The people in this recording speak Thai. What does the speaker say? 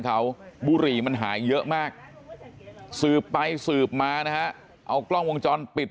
เขาบุหรี่มันหายเยอะมากสืบไปสืบมานะฮะเอากล้องวงจรปิด